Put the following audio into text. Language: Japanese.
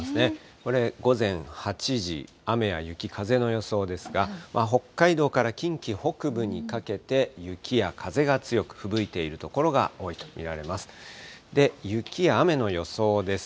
これ、午前８時、雨や雪、風の予想ですが、北海道から近畿北部にかけて、雪や風が強く、ふぶいている所が多いと見られます。